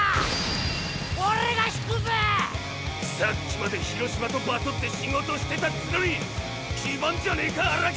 さっきまで広島とバトって仕事してたっつのにキバンじゃねえか荒北！